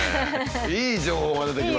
いい情報が出てきますね。